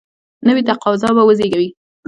نوي تقاضا به وزیږي.